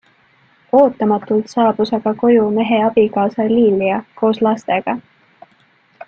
Ootamatult saabus aga koju mehe abikaasa Lilia koos lastega.